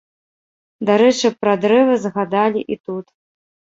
Дарэчы, пра дрэвы згадалі і тут.